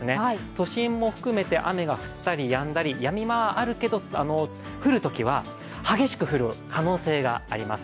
都心も含めて雨が降ったりやんだり、やみ間はあるけど、降るときは激しく降る可能性があります。